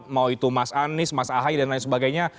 mau itu mas anies mas ahaye dan lain sebagainya